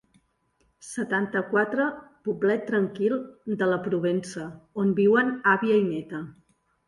Setanta-quatre poblet tranquil de la Provença on viuen àvia i néta.